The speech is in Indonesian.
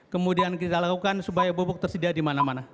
kemudian kita lakukan supaya pupuk tersedia di mana mana